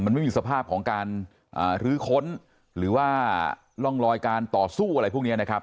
มันไม่มีสภาพของการรื้อค้นหรือว่าร่องรอยการต่อสู้อะไรพวกนี้นะครับ